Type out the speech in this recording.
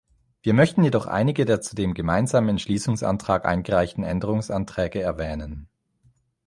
Wir möchten jedoch einige der zu dem gemeinsamen Entschließungsantrag eingereichten Änderungsanträge erwähnen.